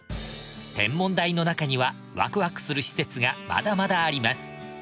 天文台の中にはワクワクする施設がまだまだあります。